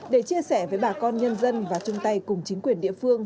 để chia sẻ với bà con nhân dân và trung tây cùng chính quyền địa phương